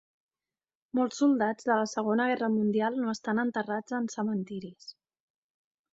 Molts soldats de la II Guerra Mundial no estan enterrats en cementiris.